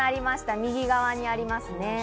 右側にありますね。